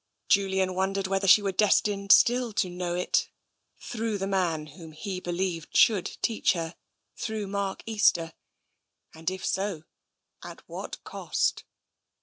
Julian wondered whether she were destined still to know it, through the man whom he believed i64 TENSION should teach her, through Mark Easter, and if so, at what cost?